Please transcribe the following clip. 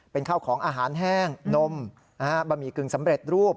เป็นข้าวของอาหารแห้งนมบะหมี่กึ่งสำเร็จรูป